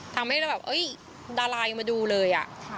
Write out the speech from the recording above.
ทำให้เราแบบเอ้ยดาราอยู่มาดูเลยอะ